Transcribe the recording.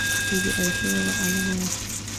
بی بي عایشه یوه عالمه وه.